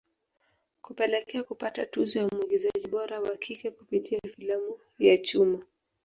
Kupelekea kupata tuzo ya mwigizaji bora wa kike kupitia filamu ya Chumo